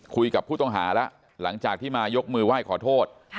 คุยกับผู้ต้องหาร่ะหลังจากที่มายกมือไหว้ขอโทษ